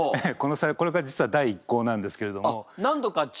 これが実は第一稿なんですけれども。